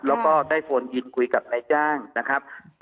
แล้วก็ได้โฟนยืนคุยกับนายจ้างนะครับ